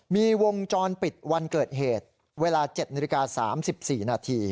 มีวงจรปิดวันเกิดเหตุเวลา๗๓๔น